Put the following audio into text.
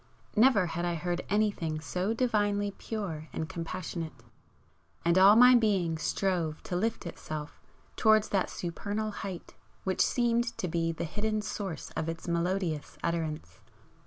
Never had I heard anything so divinely pure and compassionate, and all my being strove to lift itself towards that supernal height which seemed to be the hidden source of its melodious utterance.